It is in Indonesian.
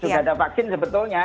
sudah ada vaksin sebetulnya